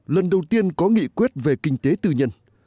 lần đầu tiên có nghị quyết về kinh tế tư nhân